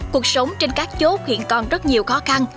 cuộc sống trên các chốt hiện còn rất nhiều khó khăn